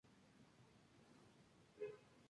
La orquesta ahoga a las voces.